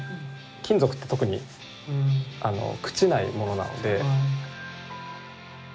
金属って特に朽ちないものなので。